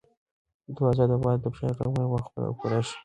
دروازه د باد د فشار له امله په خپله پورې شوه.